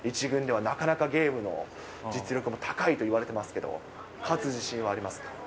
１軍ではなかなかゲームの実力も高いといわれてますけど、勝つ自信はありますか？